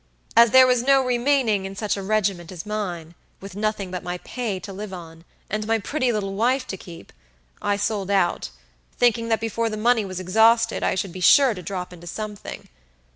"As there was no remaining in such a regiment as mine, with nothing but my pay to live on, and my pretty little wife to keep, I sold out, thinking that before the money was exhausted, I should be sure to drop into something.